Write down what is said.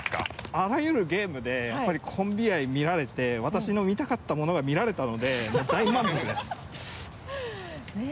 あらゆるゲームでやっぱりコンビ愛見られて私の見たかったものが見られたのでもう大満足です。ねぇ。